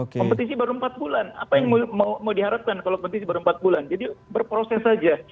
kompetisi baru empat bulan apa yang mau diharapkan kalau kompetisi baru empat bulan jadi berproses saja